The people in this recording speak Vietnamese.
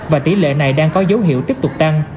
và tỷ lệ này đang có dấu hiệu tiếp tục tăng